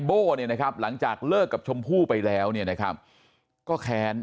โบ้เนี่ยนะครับหลังจากเลิกกับชมพู่ไปแล้วก็แค้น